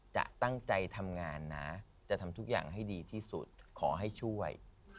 จะตั้งใจทำงานนะจะทำทุกอย่างให้ดีที่สุดขอให้ช่วย